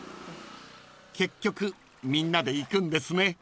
［結局みんなで行くんですね］